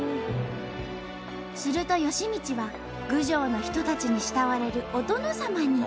すると幸道は郡上の人たちに慕われるお殿様に。